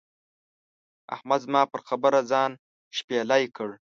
احمد زما پر خبره ځان شپېلی کړ.